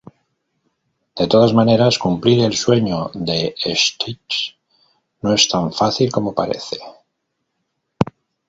De todas maneras, cumplir el sueño de Stitch no es tan fácil como parece.